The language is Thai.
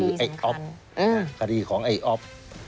คือไอ้อ๊อบคดีของไอ้อ๊อบ